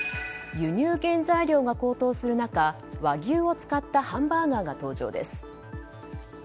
輸入原材料が高騰する中和牛を使ったハンバーガーが登場です。